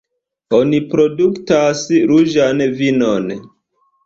Oni produktas ruĝan vinon.